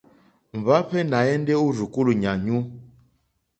Mbahve nà èndè o rzùkulù yànyu.